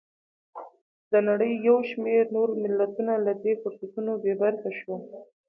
د نړۍ یو شمېر نور ملتونه له دې فرصتونو بې برخې شول.